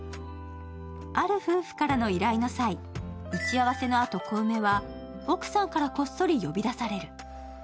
ある夫婦からの依頼の際、打ち合わせのあと小梅は、奥さんからこっそり呼び出される。